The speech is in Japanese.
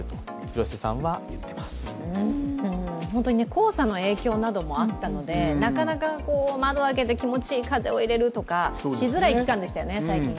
黄砂の影響などもあったので、なかなか窓を開けて気持ちいい風を入れるとかしづらい期間でしたよね、最近。